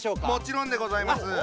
もちろんでございます。